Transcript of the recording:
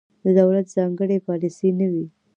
د دولت ځانګړې پالیسي نه وي.